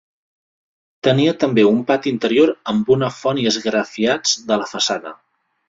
Tenia també un pati interior amb una font i esgrafiats de la façana.